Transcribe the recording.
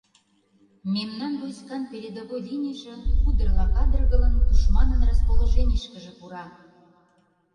Мемнан войскан передовой линийже, кудырла кадыргылын, тушманын расположенийышкыже пура.